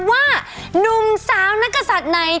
ว่านุ่มสาวนักศัตรูไหน